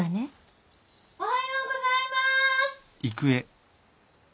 ・おはようございまーす。